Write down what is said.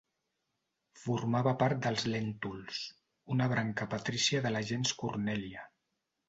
Formava part dels Lèntuls, una branca patrícia de la gens Cornèlia.